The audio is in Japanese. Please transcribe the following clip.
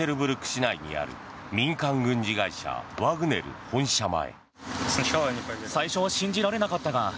市内にある民間軍事会社ワグネル本社前。